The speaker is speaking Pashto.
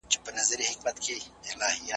دا پرېکړه باید په پښتو کي په جدي توګه مطرح سي.